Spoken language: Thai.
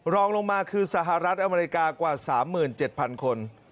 รองลงมาคือสหรัฐอเมริกากว่า๓๗๐๐คน